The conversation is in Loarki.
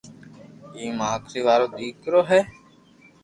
ايڪ آخري وارو ديڪرو ھي